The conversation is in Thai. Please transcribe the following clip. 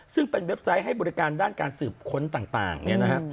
ซึ่งเป็นเว็บไซต์ให้บริการด้านการสืบค้นต่างเนี่ยนะฮะ